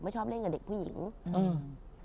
ชอบเล่นกับเด็กผู้หญิงอืม